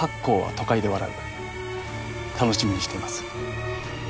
楽しみにしています。